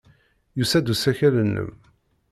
Yusa-d usakal-nnem.